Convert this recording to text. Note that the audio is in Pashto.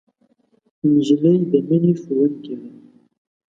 نجلۍ د مینې ښوونکې ده.